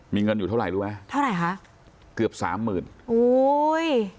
มีเงินอยู่เท่าไหร่รู้ไหมเท่าไหร่คะเกือบสามหมื่นโอ้ย